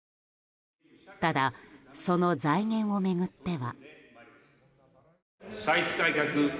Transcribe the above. ただ、その財源を巡っては。